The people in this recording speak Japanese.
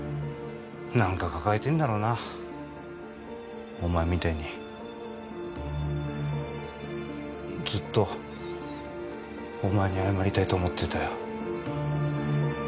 何か抱えてんだろうなお前みたいにずっとお前に謝りたいと思ってたよ